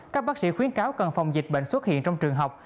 các bác sĩ khuyến cáo cần phòng dịch bệnh xuất hiện trong trường học